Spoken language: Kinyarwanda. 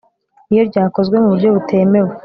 iyo ryakozwe mu buryo butemewe